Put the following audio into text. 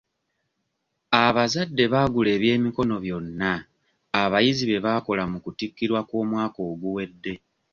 Abazadde baagula eby'emikono byonna abayizi bye bakola mu kutikkirwa kw'omwaka oguwedde .